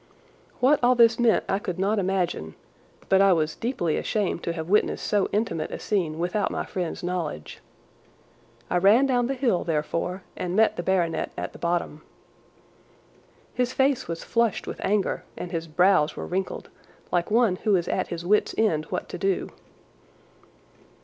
What all this meant I could not imagine, but I was deeply ashamed to have witnessed so intimate a scene without my friend's knowledge. I ran down the hill therefore and met the baronet at the bottom. His face was flushed with anger and his brows were wrinkled, like one who is at his wit's ends what to do.